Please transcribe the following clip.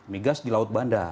migas di laut banda